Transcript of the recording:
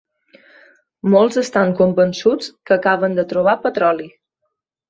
Molts estan convençuts que acaben de trobar petroli.